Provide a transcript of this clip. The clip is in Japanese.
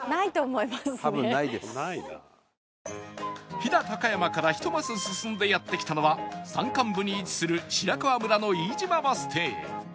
飛騨高山から１マス進んでやって来たのは山間部に位置する白川村の飯島バス停